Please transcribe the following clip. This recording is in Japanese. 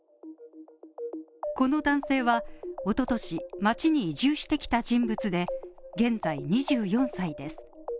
この男性は一昨年、町に移住してきた人物で、現在２４歳です。